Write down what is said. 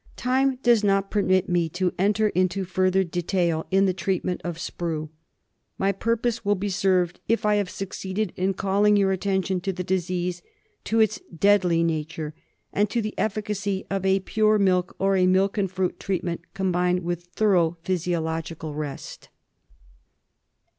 Time does not permit me to enter into further detail in the treatment of Sprue. My purpose will be served if I have succeeded in calling your attention to the disease, to its deadly nature, and to the efficacy of a pure milk, or a milk and fruit treatment combined with thorough physiological rest.